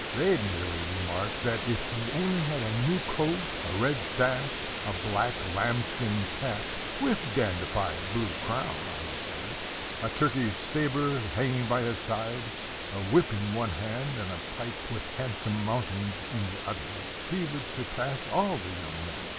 They merely remarked, that if he only had a new coat, a red sash, a black lambskin cap, with dandified blue crown, on his head, a Turkish sabre hanging by his side, a whip in one hand and a pipe with handsome mountings in the other, he would surpass all the young men.